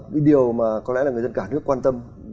cái điều mà có lẽ là người dân cả nước quan tâm